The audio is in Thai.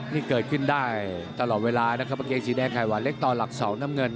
นี่เกิดขึ้นได้ตลอดเวลานะครับกางเกงสีแดงไข่หวานเล็กต่อหลักเสาน้ำเงิน